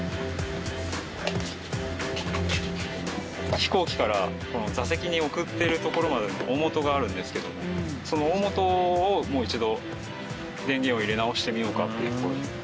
飛行機から座席に送っているところまでの大本があるんですけどもその大本をもう一度電源を入れ直してみようかっていうところです。